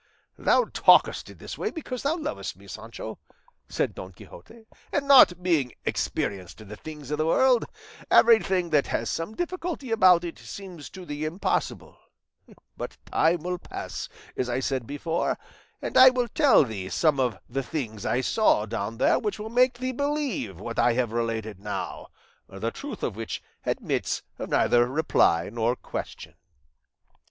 "Thou talkest in this way because thou lovest me, Sancho," said Don Quixote; "and not being experienced in the things of the world, everything that has some difficulty about it seems to thee impossible; but time will pass, as I said before, and I will tell thee some of the things I saw down there which will make thee believe what I have related now, the truth of which admits of neither reply nor question."